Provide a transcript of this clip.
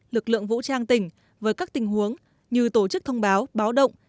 lực lượng vũ trang tỉnh với các tình huống như tổ chức thông báo báo động